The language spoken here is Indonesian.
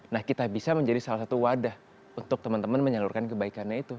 nah kita bisa menjadi salah satu wadah untuk teman teman menyalurkan kebaikannya itu